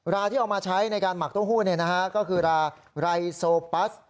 ราที่เอามาใช้ในการหมักโต๊งหู้นี่นะฮะก็คือราไรโซปัส